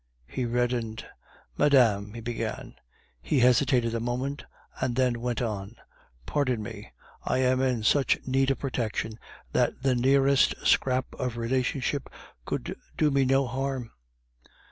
He reddened: "Madame..." he began; he hesitated a moment, and then went on. "Pardon me; I am in such need of protection that the nearest scrap of relationship could do me no harm."